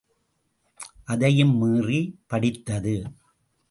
அதையும் மீறி, படித்தது.